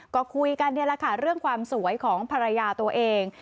ก็คุยกันนี่แหละค่ะเรื่องความสวยของภรรยาตัวเอง